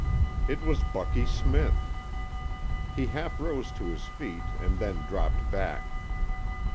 It was Bucky Smith! He half rose to his feet and then dropped back.